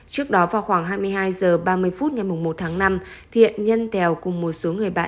trước đó vào khoảng hai mươi hai h ba mươi phút ngày một tháng năm thiện nhân tèo cùng một số người bạn